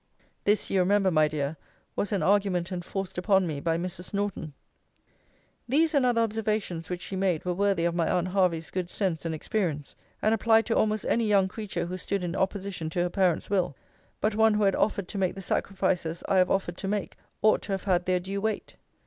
This, you remember, my dear, was an argument enforced upon me by Mrs. Norton. These and other observations which she made were worthy of my aunt Hervey's good sense and experience, and applied to almost any young creature who stood in opposition to her parents' will, but one who had offered to make the sacrifices I have offered to make, ought to have had their due weight.